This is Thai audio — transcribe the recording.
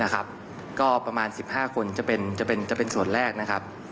ก็ประมาณ๑๕คนจะเป็นส่วนแรกนะครับ